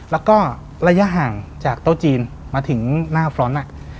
แล้วก็ระยะห่างจากโต๊ะจีนมาถึงหน้าฟรอนต์